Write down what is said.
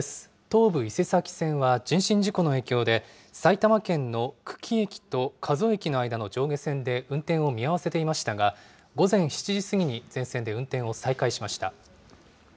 東武伊勢崎線は人身事故の影響で、埼玉県の久喜駅と加須駅の上下線で運転を見合わせていましたが、午前７時過ぎに全線で運転を再開しました。